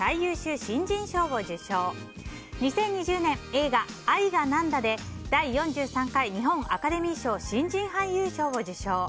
映画「愛がなんだ」で第４３回日本アカデミー賞新人俳優賞を受賞。